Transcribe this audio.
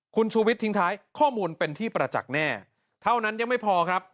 คุณชูวิทยทิ้งท้ายข้อมูลเป็นที่ประจักษ์แน่เท่านั้นยังไม่พอครับ